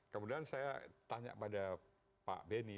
kemudian saya tanya pada pak benny